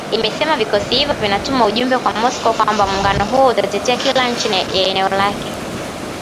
imesema vikosi hivyo vinatuma ujumbe kwa Moscow kwamba muungano huo utatetea kila nchi ya eneo lake